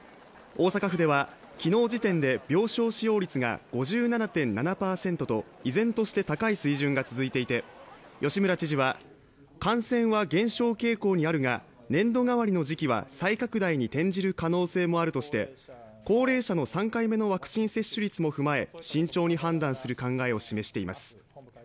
大阪府では昨日時点で病床使用率が５７．７％と依然として高い水準が続いていて吉村知事は感染は減少傾向にあるが年度替わりの時期は再拡大に転じる可能性もあるとして高齢者の３回目のワクチン接種率も踏まえ慎重に判断する考えを示しています